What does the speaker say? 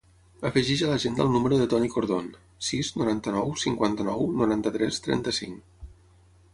Afegeix a l'agenda el número del Toni Cordon: sis, noranta-nou, cinquanta-nou, noranta-tres, trenta-cinc.